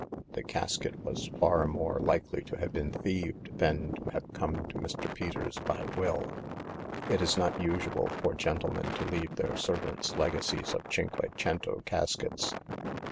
The casket was far more likely to have been thieved than to have come to Mr. Peters by will.^ It is not usual for gentle The Ninth Customer. 231 men to leave their servants legacies of Cinque Cento caskets.